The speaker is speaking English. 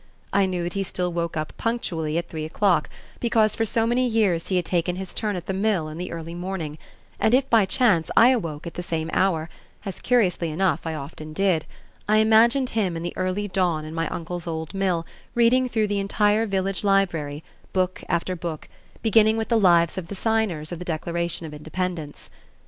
I knew that he still woke up punctually at three o'clock because for so many years he had taken his turn at the mill in the early morning, and if by chance I awoke at the same hour, as curiously enough I often did, I imagined him in the early dawn in my uncle's old mill reading through the entire village library, book after book, beginning with the lives of the signers of the Declaration of Independence.